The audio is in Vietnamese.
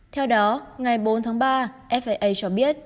theo đó ngày bốn tháng ba faa cho biết